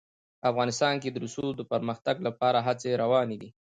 افغانستان کې د رسوب د پرمختګ لپاره هڅې روانې دي.